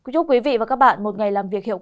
chúc quý vị và các bạn một ngày làm việc hiệu quả